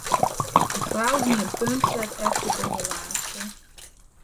De frou hie in punt set efter de relaasje.